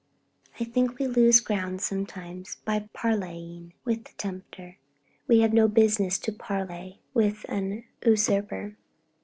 I think we lose ground sometimes by parleying with the tempter. We have no business to parley with an usurper.